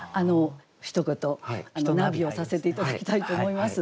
ひと言ナビをさせて頂きたいと思います。